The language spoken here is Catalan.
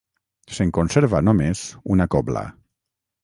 Se'n conserva només una cobla.